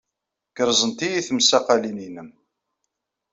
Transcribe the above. Gerẓent-iyi tesmaqqalin-nnem.